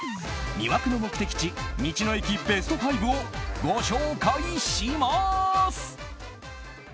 魅惑の目的地、道の駅ベスト５をご紹介します。